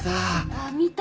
ああ見た。